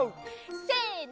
せの！